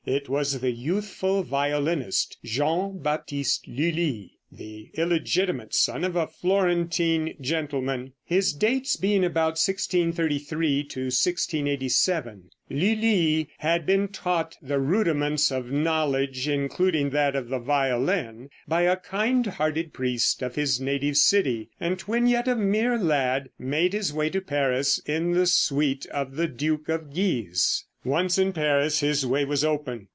It was the youthful violinist, Jean Baptiste Lulli, the illegitimate son of a Florentine gentleman, his dates being about 1633 1687. Lulli had been taught the rudiments of knowledge, including that of the violin, by a kind hearted priest of his native city, and, when yet a mere lad, made his way to Paris in the suite of the duke of Guise. Once in Paris his way was open.